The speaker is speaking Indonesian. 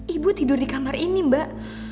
ibu tidur di kamar ini mbak